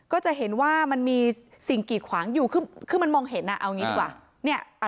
ก็จะเห็นว่ามันมีสิ่งกีดขวางอยู่คือมันมองเห็นเอาอย่างนี้ดีกว่า